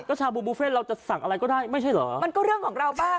ก็ชาบูบูเฟ่เราจะสั่งอะไรก็ได้ไม่ใช่เหรอมันก็เรื่องของเราบ้าง